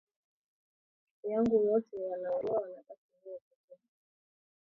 Baloko yangu bote banaolewa nabaki mie peke